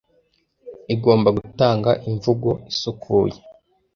Igomba gutanga imvugo isukuye. "